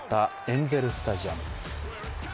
エンゼルスタジアム。